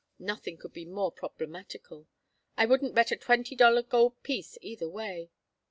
Nothing could be more problematical. I wouldn't bet a twenty dollar gold piece either way.